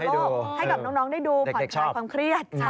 ให้กับน้องได้ดูผ่อนคลายความเครียด